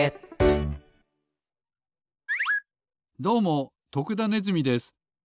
どうも徳田ネズミです。